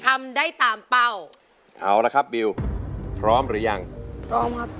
ทำได้ตามเป้าเอาละครับบิวพร้อมหรือยังพร้อมครับ